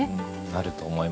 なると思います。